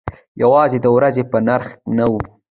یوازې د ورځې په نرخ نه و.